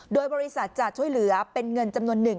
โดยบริษัทจะช่วยเหลือเป็นเงินจำนวนหนึ่ง